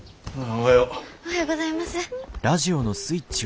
おはようございます。